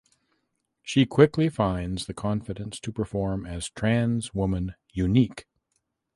She quickly finds the confidence to perform as trans woman Unique.